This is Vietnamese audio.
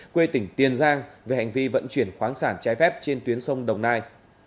quê tỉnh tiền giang về hành vi vận chuyển khoáng sản trái phép trên tuyến sông đồng nai